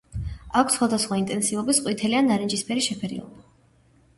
აქვთ სხვადასხვა ინტენსივობის ყვითელი ან ნარინჯისფერი შეფერილობა.